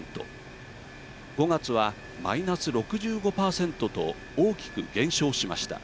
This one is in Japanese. ５月は、マイナス６５％と大きく減少しました。